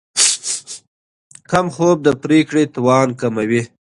کم خوب د پرېکړې توان کموي.